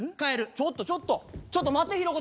ちょっとちょっとちょっと。